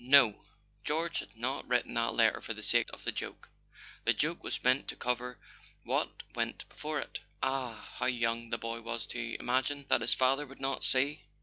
No; George had not written that letter for the sake of the joke: the joke was meant to cover what went before it. Ah, how young the boy was to imagine that his father would not see!